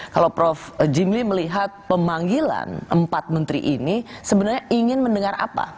kalau prof jimli melihat pemanggilan empat menteri ini sebenarnya ingin mendengar apa